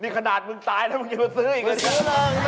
มีขนาดมึงตายแล้วมึงอยู่มาซื้ออีกไหม